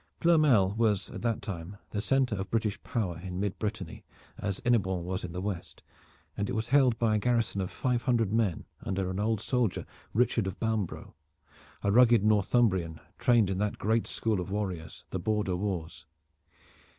Ploermel was at that time the center of British power in Mid Brittany, as Hennebon was in the West, and it was held by a garrison of five hundred men under an old soldier, Richard of Bambro', a rugged Northumbrian, trained in that great school of warriors, the border wars.